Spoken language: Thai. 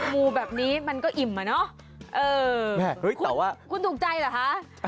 มูแบบนี้มันก็อิ่มอ่ะเนอะเออคุณถูกใจเหรอคะ